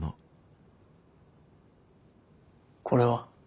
これは。